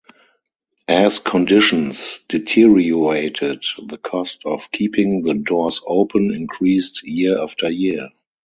As conditions deteriorated the cost of keeping the doors open increased year after year.